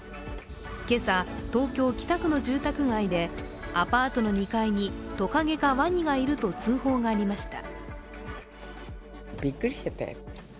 今朝、東京・北区の住宅街でアパートの２階に、トカゲかワニがいると通報がありました。